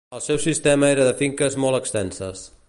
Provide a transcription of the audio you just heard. El seu sistema era de finques molt extenses.